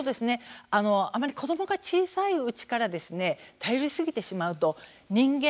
あまり子どもが小さいうちから頼りすぎてしまうと人間